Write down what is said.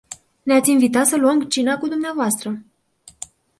Ne-ați invitat să luăm cina cu dvs.